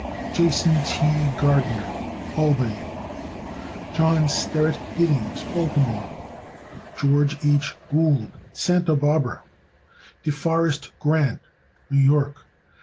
Jas. T. Gardiner, Albany, N. Y. John Sterett Gittings, Baltimore, Md. George H. Gould, Santa Barbara, Cal. De Forest Grant, New York.